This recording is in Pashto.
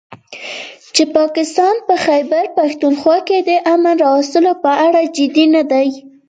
چې پاکستان په خيبرپښتونخوا کې د امن راوستلو په اړه جدي نه دی